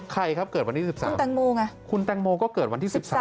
ใครครับเกิดวันที่๑๓คุณแตงโมไงคุณแตงโมก็เกิดวันที่๑๓